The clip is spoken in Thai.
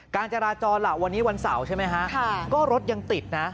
การจราจรล่ะวันนี้วันเสาร์ใช่ไหมฮะก็รถยังติดนะ